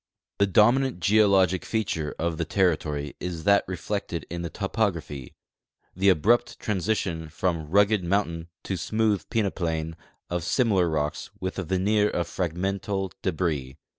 The dominant geologic feature of the territory is that reflected in the topography — the abrupt transition from rugged mountain to smooth peneplain of similar rocks with a veneer of fragmental debris.